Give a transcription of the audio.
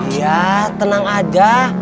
iya tenang aja